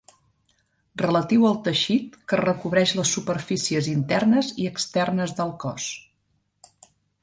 Relatiu al teixit que recobreix les superfícies internes i externes del cos.